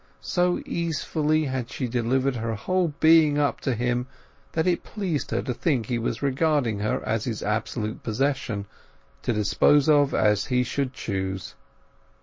So easefully had she delivered her whole being up to him that it pleased her to think he was regarding her as his absolute possession, to dispose of as he should choose.